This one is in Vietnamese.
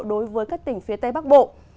đối với các tỉnh phía tây bắc bộ